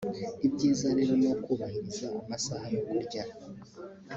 Ibyiza rero ni ukubahiriza amasaha yo kurya